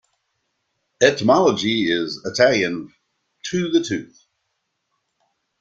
The etymology is Italian "to the tooth".